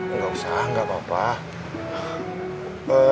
enggak usah enggak apa apa